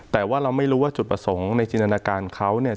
แต่ว่าเราไม่รู้ว่าจุดประสงค์ในจินตนาการเขาเนี่ย